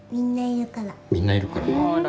みんないるからか。